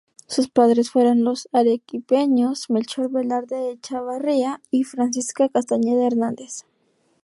Sus padres fueron los arequipeños Melchor Velarde Echevarría y Francisca Castañeda Hernández.